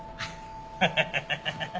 ハハハハハ。